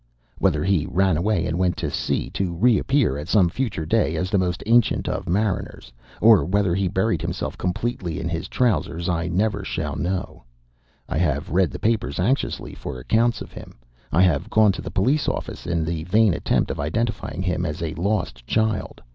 Whether he ran away and went to sea to reappear at some future day as the most ancient of mariners, or whether he buried himself completely in his trousers, I never shall know. I have read the papers anxiously for accounts of him. I have gone to the Police Office in the vain attempt of identifying him as a lost child.